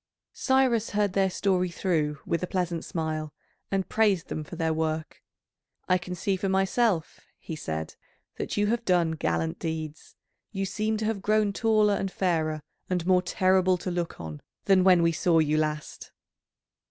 Cyrus heard their story through with a pleasant smile, and praised them for their work. "I can see for myself," he said, "that you have done gallant deeds. You seem to have grown taller and fairer and more terrible to look on than when we saw you last."